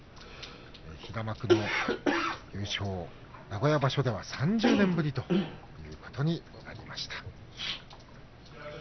平幕の優勝、名古屋場所では３０年ぶりということになりました。